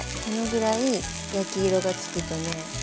このぐらい焼き色がつくとね